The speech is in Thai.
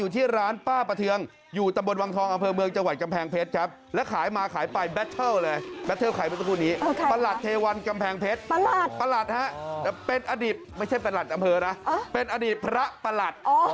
แต่เป็นอดีตไม่ใช่ประหลัดอำเภอนะเป็นอดีตพระประหลัด